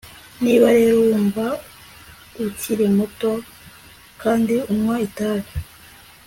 niba rero wumva ukiri muto kandi unywa itabi